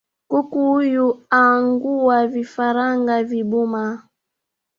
Kuku uyu aangua vifaranga vibuma